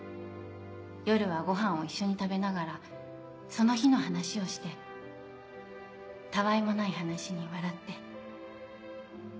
夜はごはんを一緒に食べながらその日の話をしてたわいもない話に笑って。